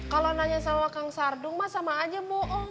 kalau nanya sama akang sardung mah sama aja bohong